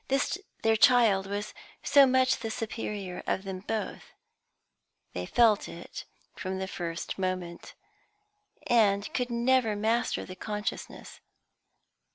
This, their child, was so much the superior of them both; they felt it from the first moment, and could never master the consciousness.